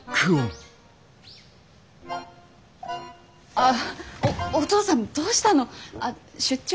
ああお父さんどうしたの出張？